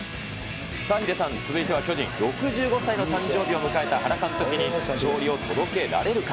ヒデさん、続いては巨人、６５歳の誕生日を迎えた原監督に勝利を届けられるか。